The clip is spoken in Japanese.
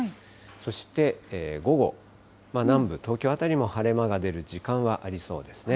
そして午後、南部、東京辺りも晴れ間が出る時間はありそうですね。